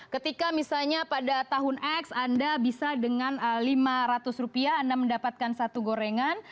ketika misalnya pada tahun x anda bisa dengan lima ratus rupiah anda mendapatkan satu gorengan